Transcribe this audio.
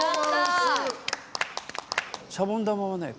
シャボン玉はね